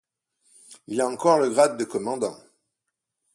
Il a alors le grade de commandant.